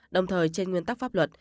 đồng thời trên nguyên tắc pháp luật